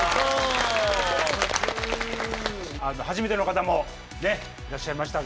初めての方もねいらっしゃいましたが。